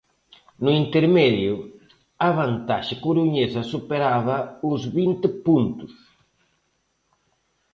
No intermedio, a vantaxe coruñesa superaba os vinte puntos.